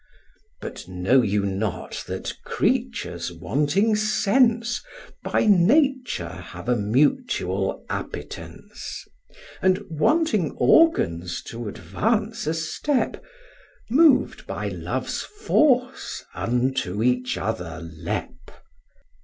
But know you not that creatures wanting sense, By nature have a mutual appetence, And, wanting organs to advance a step, Mov'd by love's force, unto each other lep?